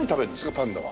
パンダは。